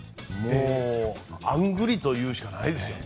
あんぐりと言うしかないですよね。